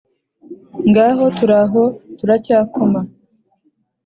ngaho turaho turacyakoma